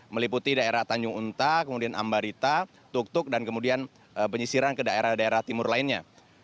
meliputi daerah tanjung unta kemudian ambarita tuk tuk dan kemudian penyisiran ke daerah daerah timur lainnya